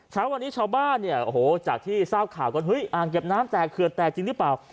เช้าวันนี้ชาวบ้านเนี่ยโอ้โหจากที่ทราบข่าวกันเฮ้ยอ่างเก็บน้ำแตกเขื่อนแตกจริงหรือเปล่า